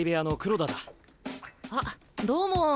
あどうも。